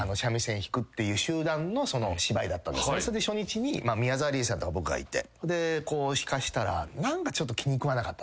それで初日に宮沢りえさんとか僕がいてこう弾かしたら何か気にくわなかったんでしょうね。